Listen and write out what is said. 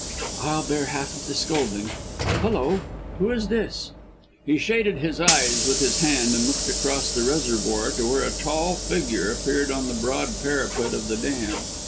"I'll bear half of the scolding. Hullo! Who is this?" He shaded his eyes with his hand and looked across the reservoir to where a tall figure appeared on the broad parapet of the dam.